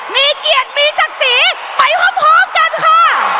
มีเกียรติมีศักดิ์ศรีไปพร้อมกันค่ะ